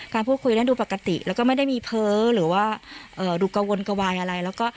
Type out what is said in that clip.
พูดคุยนั้นดูปกติแล้วก็ไม่ได้มีเพ้อหรือว่าดูกระวนกระวายอะไรแล้วก็